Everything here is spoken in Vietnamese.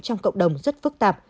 trong cộng đồng rất phức tạp